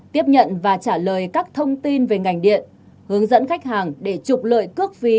tiếp nhận và trả lời các thông tin về ngành điện hướng dẫn khách hàng để trục lợi cước phí